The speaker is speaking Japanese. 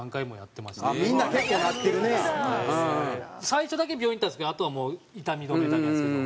最初だけ病院行ったんですけどあとはもう痛み止めだけなんですけど。